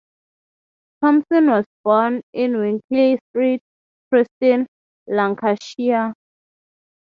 Thompson was born in Winckley Street, Preston, Lancashire.